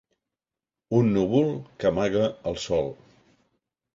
Un núvol que amaga el sol.